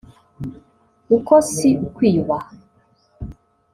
Uko si ukwiyubaha